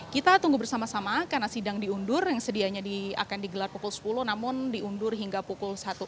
kita tunggu bersama sama karena sidang diundur yang sedianya akan digelar pukul sepuluh namun diundur hingga pukul satu tiga puluh